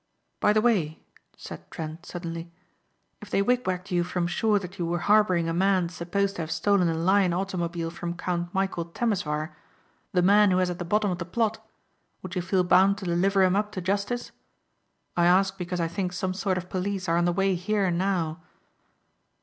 "By the way," said Trent suddenly, "if they wig wagged you from shore that you were harbouring a man supposed to have stolen a Lion automobile from Count Michæl Temesvar the man who is at the bottom of the plot would you feel bound to deliver him up to justice? I ask because I think some sort of police are on the way here now."